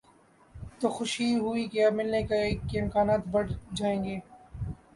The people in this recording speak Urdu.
تو خوشی ہوئی کہ اب ملنے کے امکانات بڑھ جائیں گے۔